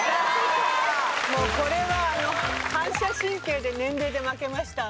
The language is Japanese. もうこれは反射神経で年齢で負けました。